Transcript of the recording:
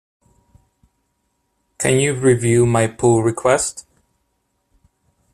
Can you review my pull request?